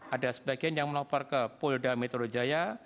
ada sebagian yang melapor ke polda metro jaya